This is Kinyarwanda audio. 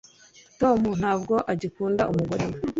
tom ntabwo agikunda umugore we